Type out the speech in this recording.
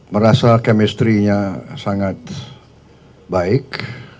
merasa chemistry nya sangat baik